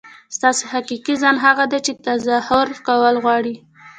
ستاسو حقیقي ځان هغه دی چې تظاهر کول غواړي.